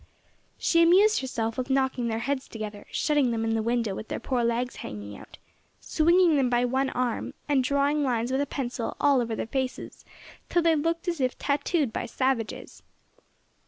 She amused herself with knocking their heads together, shutting them in the window with their poor legs hanging out, swinging them by one arm, and drawing lines with a pencil all over their faces till they looked as if tattooed by savages.